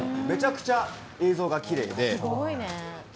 めちゃくちゃ映像がきれいで。